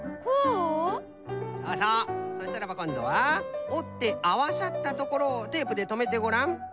そうそう！そしたらばこんどはおってあわさったところをテープでとめてごらん。